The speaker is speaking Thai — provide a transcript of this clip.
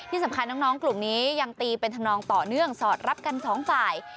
ที่สำคัญน้องกลุ่มนี้ยังตีเป็นทำนองต่อเนื่องสอดรับกันสองฝ่าย